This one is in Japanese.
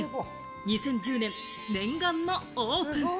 ２０１０年、念願のオープン！